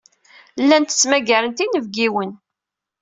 Llant ttmagarent inebgiwen.